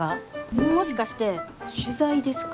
もしかして取材ですか？